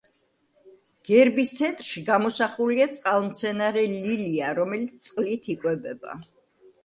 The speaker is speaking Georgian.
გერბის ცენტრში გამოსახულია წყალმცენარე ლილია, რომელიც წყლით იკვებება.